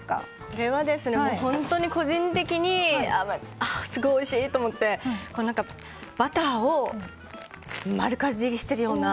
これは本当に個人的にすごいおいしいと思ってバターを丸かじりしてるような。